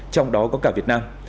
trong đó có cả việt nam